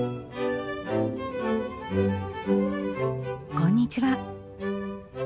こんにちは。